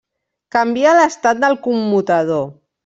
Canvia l'estat del commutador.